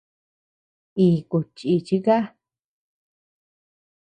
Iku chichí ka.